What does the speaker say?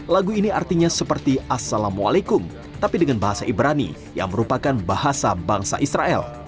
lagu ini artinya seperti assalamualaikum tapi dengan bahasa ibrani yang merupakan bahasa bangsa israel